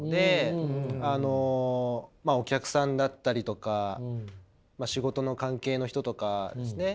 あのお客さんだったりとか仕事の関係の人とかですね。